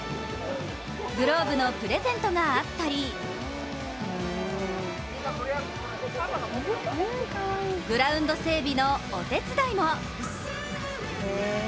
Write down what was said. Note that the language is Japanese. グローブのプレゼントがあったり、グラウンド整備のお手伝いも。